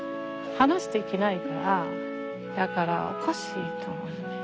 話できないからだからおかしいと思ったね。